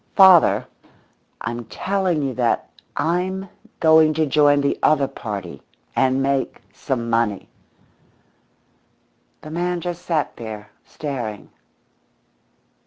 _ Father, I'm telling you that I'm going to join the other party and make some money!" The man just sat there, staring.